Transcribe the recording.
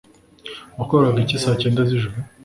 Wakoraga iki saa cyenda z'ijoro?